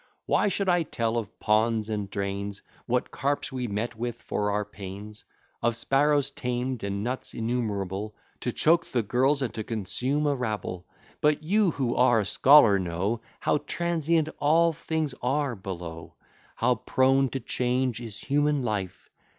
Why should I tell of ponds and drains, What carps we met with for our pains; Of sparrows tamed, and nuts innumerable To choke the girls, and to consume a rabble? But you, who are a scholar, know How transient all things are below, How prone to change is human life!